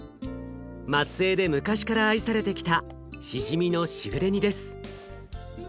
松江で昔から愛されてきたしじみのしぐれ煮です。